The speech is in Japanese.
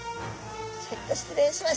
ちょっと失礼しまして。